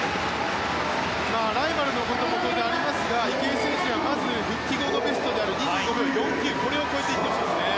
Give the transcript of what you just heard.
ライバルのことも当然ありますが池江選手はまず復帰後のベストの２５秒４９を超えていってほしいですね。